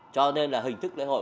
cho nên là hình thức lễ hội